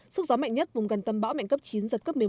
sức gió mạnh nhất vùng gần tầm bão mạnh cấp chín dần cấp một mươi một